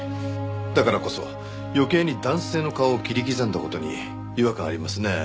だからこそ余計に男性の顔を切り刻んだ事に違和感ありますね。